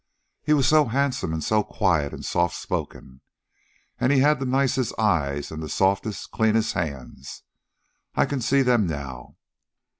He was so handsome and so quiet and soft spoken. And he had the nicest eyes and the softest, cleanest hands. I can see them now.